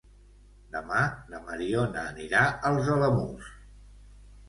Demà na Mariona anirà als Alamús.